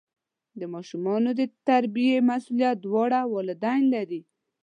د ماشومانو د تربیې مسؤلیت دواړه والدین لري.